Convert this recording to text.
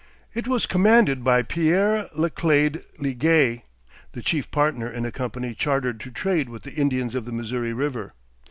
It was commanded by Pierre Laclede Liguest, the chief partner in a company chartered to trade with the Indians of the Missouri River.